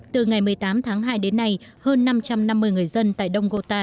từ ngày một mươi tám tháng hai đến nay hơn năm trăm năm mươi người dân tại đông gota